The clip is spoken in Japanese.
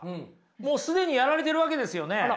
もう既にやられてるわけですよね。